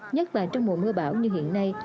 nhất là trong mùa mưa bão như hiện nay